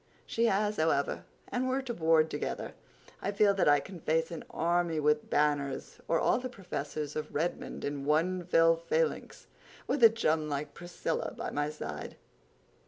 He has, however, and we're to board together. I feel that I can face an army with banners—or all the professors of Redmond in one fell phalanx—with a chum like Priscilla by my side."